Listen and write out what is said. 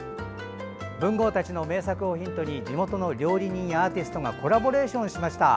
文豪たちの名作をヒントに地元の料理人やアーティストがコラボレーションしました。